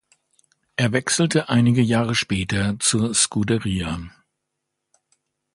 Er wechselte einige Jahre später zur Scuderia.